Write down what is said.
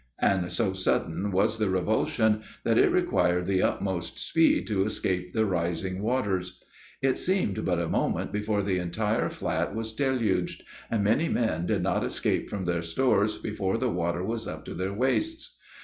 and so sudden was the revulsion, that it required the utmost speed to escape the rising waters. It seemed but a moment before the entire flat was deluged; and many men did not escape from their stores before the water was up to their waists.